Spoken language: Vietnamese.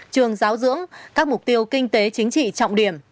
trường giáo dưỡng các mục tiêu kinh tế chính trị trọng điểm